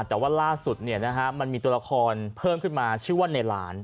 แต่ว่าล่าสุดมันมีตัวละครเพิ่มขึ้นมาชื่อว่าในหลาน